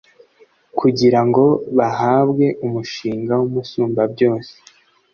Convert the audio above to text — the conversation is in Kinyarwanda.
kugira ngo bahabwe umugisha w'umusumbabyose